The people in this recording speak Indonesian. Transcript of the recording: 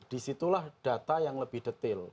disitulah data yang lebih detail